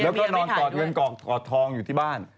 แล้วก็นอนกอดเงินกอกทองอยู่ที่บ้าน